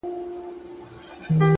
خپل اصول مه پلورئ.!